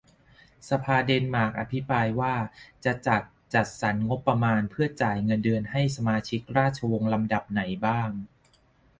สภาเดนมาร์กอภิปรายว่า จะจัดจัดสรรงบประมาณเพื่อจ่ายเงินเดือนให้สมาชิกราชวงศ์ลำดับไหนบ้าง